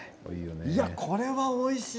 これはおいしい！